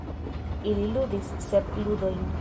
Ili ludis sep ludojn.